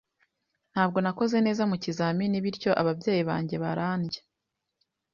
Ntabwo nakoze neza mu kizamini bityo ababyeyi banjye barandya.